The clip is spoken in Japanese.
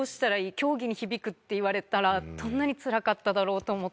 競技に響くって言われたら、どんなにつらかっただろうと思って。